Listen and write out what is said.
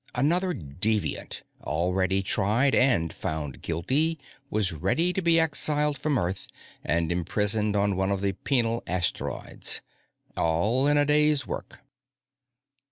Another deviant, already tried and found guilty, was ready to be exiled from Earth and imprisoned on one of the Penal Asteroids. All in the day's work.